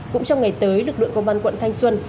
cũng trong ngày tới lực lượng công an quận thanh xuân